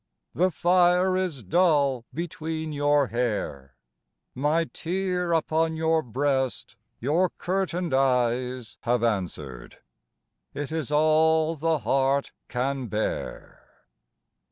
The fire is dull between your hair: My tear upon your breast your curtained eyes Have answered it is all the heart can bear!